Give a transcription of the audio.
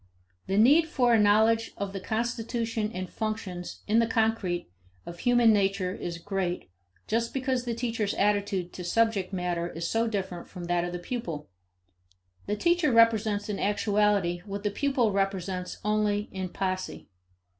The need for a knowledge of the constitution and functions, in the concrete, of human nature is great just because the teacher's attitude to subject matter is so different from that of the pupil. The teacher presents in actuality what the pupil represents only in posse.